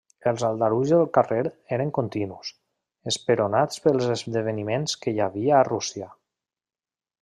Els aldarulls al carrer eren continus, esperonats pels esdeveniments que hi havia a Rússia.